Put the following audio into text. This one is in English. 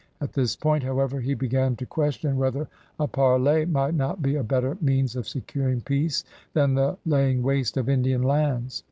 At this point, however, he began to question whether a parley might not be a better means of securing peace than the laying waste of Lidian lands.